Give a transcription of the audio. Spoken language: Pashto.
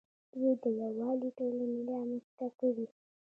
دوی د یووالي ټولنې رامنځته کړې